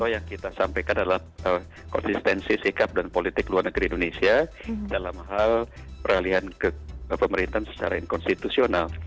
yang kita sampaikan adalah konsistensi sikap dan politik luar negeri indonesia dalam hal peralihan pemerintahan secara inkonstitusional